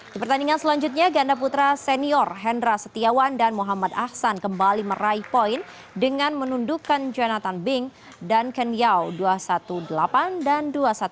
di pertandingan selanjutnya ganda putra senior hendra setiawan dan muhammad ahsan kembali meraih poin dengan menundukkan jonathan bing dan ken yao dua satu delapan dan dua satu dua belas